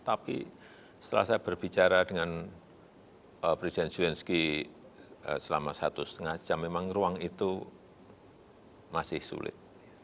tapi setelah saya berbicara dengan presiden zelensky selama satu setengah jam memang ruang itu masih sulit